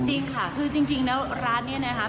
จริงค่ะคือจริงแล้วร้านนี้นะครับ